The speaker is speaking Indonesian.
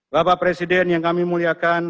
bapak presiden yang kami muliakan